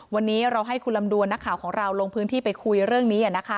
วันนี้เราให้คุณลำดวนนักข่าวของเราลงพื้นที่ไปคุยเรื่องนี้